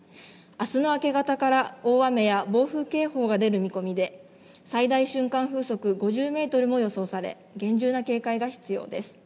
あすの明け方から大雨や暴風警報が出る見込みで、最大瞬間風速５０メートルも予想され、厳重な警戒が必要です。